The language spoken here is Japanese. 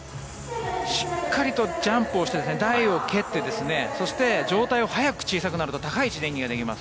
しっかりとジャンプをして台を蹴ってそして状態を速く小さくなると高いところで演技ができます。